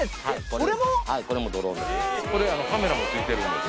これもドローンです。